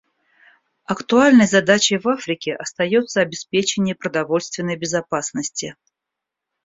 Актуальной задачей в Африке остается обеспечение продовольственной безопасности.